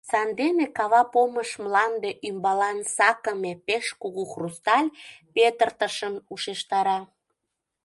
Сандене кава помыш мланде ӱмбалан сакыме пеш кугу хрусталь петыртышым ушештара.